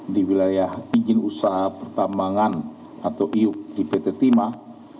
di wilayah izin usaha pertambangan atau iup di pt timah